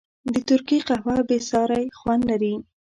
د ترکي قهوه بېساری خوند لري.